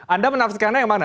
anda menafsirkan yang mana